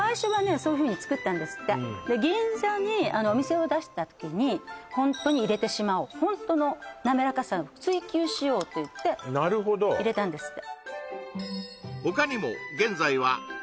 そういうふうに作ったんですって銀座にお店を出した時にホントに入れてしまおうホントのなめらかさを追求しようといってなるほど入れたんですって